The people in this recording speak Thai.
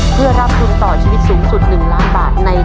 เพื่อรับทุนต่อชีวิตสูงสุด๑ล้านบาท